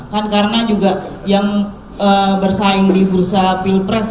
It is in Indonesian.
kan karena juga yang bersaing di bursa pilpres